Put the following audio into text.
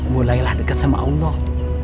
mulailah dekat sama allah